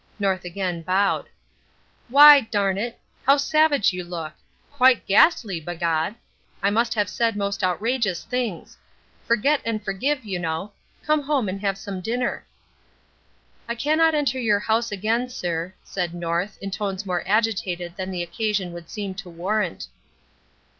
North again bowed. "Why, d n it, how savage you look! Quite ghastly, bigod! I must have said most outrageous things. Forget and forgive, you know. Come home and have some dinner." "I cannot enter your house again, sir," said North, in tones more agitated than the occasion would seem to warrant.